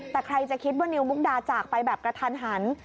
แต่ใครจะคิดว่านิวมุกดาจากไปแบบกระทันหัน